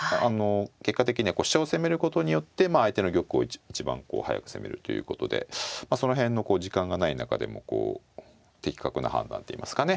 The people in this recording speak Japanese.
結果的には飛車を攻めることによって相手の玉を一番速く攻めるということでその辺の時間がない中でもこう的確な判断っていいますかね